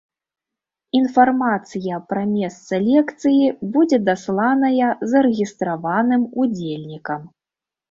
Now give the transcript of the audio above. Інфармацыя пра месца лекцыі будзе дасланая зарэгістраваным удзельнікам.